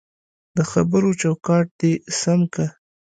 دخبرو چوکاټ دی سم که